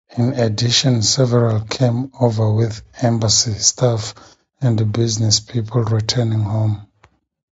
In addition, several came over with embassy staff and business people returning home.